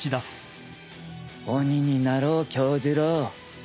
鬼になろう杏寿郎。